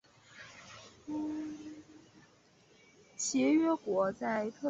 协约国在特里亚农条约剥夺了匈牙利的三分之二领土给匈牙利的邻国。